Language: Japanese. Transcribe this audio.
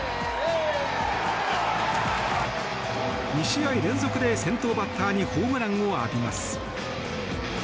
２試合連続で先頭バッターにホームランを浴びます。